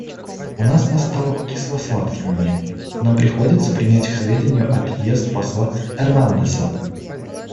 У нас настал кисло-сладкий момент: нам приходится принять к сведению отъезд посла Эрнандеса.